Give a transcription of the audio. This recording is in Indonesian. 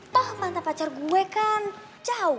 toh mata pacar gue kan jauh